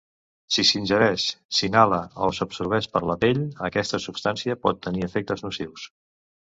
Si s'ingereix, s'inhala o s'absorbeix per la pell, aquesta substància pot tenir efectes nocius.